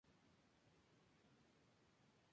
Charlie Johns se despierta sin saber dónde se encuentra.